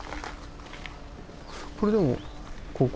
これでもここ？